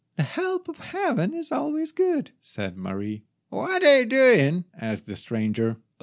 "The help of Heaven is always good," said Mary. "What are you doing?" asked the stranger.